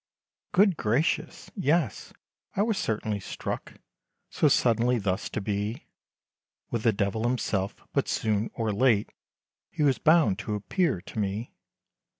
Good gracious! yes, I was certainly struck, So suddenly thus to be With the Devil himself! but soon, or late, He was bound to appear to me.